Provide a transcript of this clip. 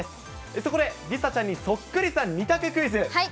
そこで梨紗ちゃんにそっくりさん２択クイズ。